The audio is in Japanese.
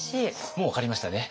もう分かりましたね。